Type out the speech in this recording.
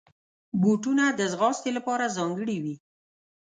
بوټونه د ځغاستې لپاره ځانګړي وي.